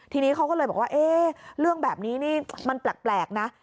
ทีนี้เขาก็เลยบอกว่าเอ๊ะเรื่องแบบนี้นี่มันแปลกนะ